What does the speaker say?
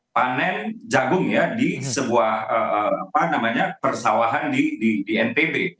panen jagung ya di sebuah persawahan di ntb